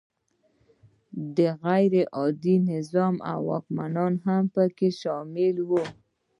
د غیر عادل نظام واکمنان هم پکې شامل وي.